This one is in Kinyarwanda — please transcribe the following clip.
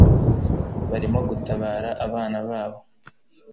barimo gutabara abana babo